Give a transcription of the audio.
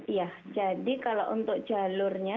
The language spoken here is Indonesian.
iya jadi kalau untuk jalurnya